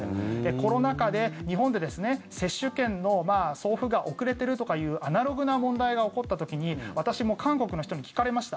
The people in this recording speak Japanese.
コロナ禍で日本で接種券の送付が遅れているとかっていうアナログな問題が起こった時に私も韓国の人に聞かれました。